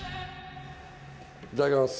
いただきます。